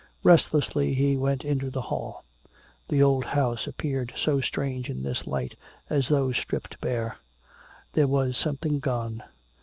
Restlessly he went into the hall. The old house appeared so strange in this light as though stripped bare there was something gone.